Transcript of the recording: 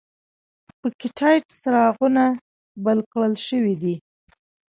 په کې تت څراغونه بل کړل شوي دي.